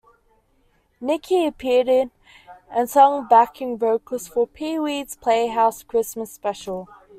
Niki appeared in, and sang backing vocals for Pee-Wee's Playhouse Christmas Special.